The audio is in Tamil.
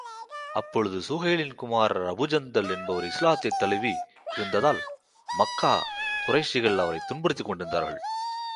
அப்பொழுது, ஸூஹைலின் குமாரர் அபூஜந்தல் என்பவர் இஸ்லாத்தைத் தழுவி இருந்ததால், மக்கா குறைஷிகள் அவரை துன்புறுத்திக் கொண்டிருந்தார்கள்.